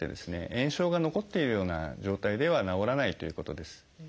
炎症が残っているような状態では治らないということです。